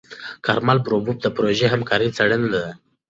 کارمل بروف د پروژې همکاره څېړونکې ده.